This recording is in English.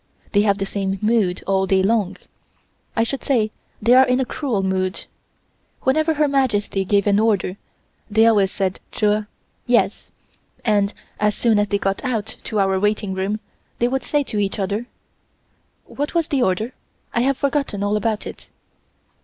They have the same mood all day long I should say they are in a cruel mood. Whenever Her Majesty gave an order they always said "Jer" (Yes) and as soon as they got to our waiting room they would say to each other: "What was the order? I have forgotten all about it."